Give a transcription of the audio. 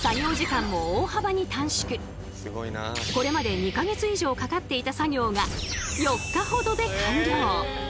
これまで２か月以上かかっていた作業が４日ほどで完了。